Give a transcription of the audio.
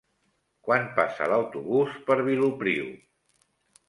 Quan passa l'autobús per Vilopriu?